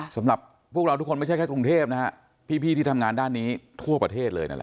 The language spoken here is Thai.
สำหรับพวกเราทุกคนไม่ใช่แค่กรุงเทพนะฮะพี่ที่ทำงานด้านนี้ทั่วประเทศเลยนั่นแหละ